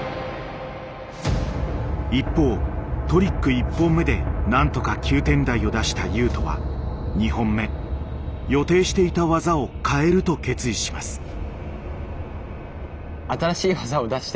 一方トリック１本目で何とか９点台を出した雄斗は２本目予定していた技を変えると決意します。